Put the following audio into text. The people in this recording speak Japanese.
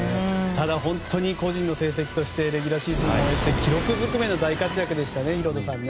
ただ、本当に個人の成績としてレギュラーシーズンを終えて記録ずくめの大活躍でしたね。